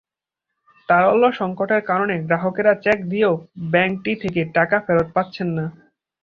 তারল্য সংকটের কারণে গ্রাহকেরা চেক দিয়েও ব্যাংকটি থেকে টাকা ফেরত পাচ্ছেন না।